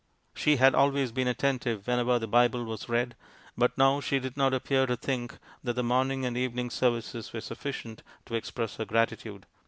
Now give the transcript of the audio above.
She had always been attentive whenever the Bible was read, but now she did not appear to think that the morning and evening services were sufficient to express her gratitude."